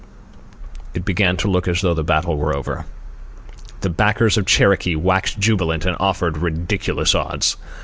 It began to look as though the battle were over. The backers of Cherokee waxed jubilant and offered ridiculous odds.